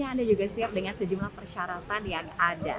anda juga siap dengan sejumlah persyaratan yang ada